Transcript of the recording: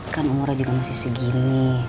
kan umurnya juga masih segini